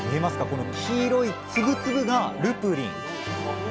この黄色い粒々がルプリン。